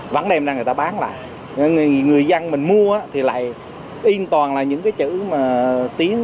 vẫn đem ra người ta bán lại người dân mình mua thì lại yên toàn là những cái chữ mà tiếng